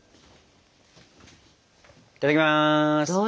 いただきます。